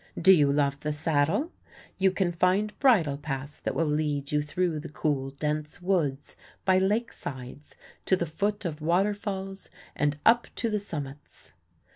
Do you love the saddle? You can find bridle paths that will lead you through the cool, dense woods, by lakesides, to the foot of waterfalls, and up to the summits.